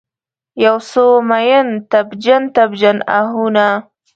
یوڅو میین، تبجن، تبجن آهونه